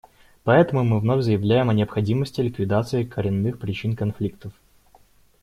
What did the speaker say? Поэтому мы вновь заявляем о необходимости ликвидации коренных причин конфликтов.